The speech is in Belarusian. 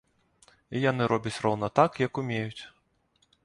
І яны робяць роўна так, як умеюць.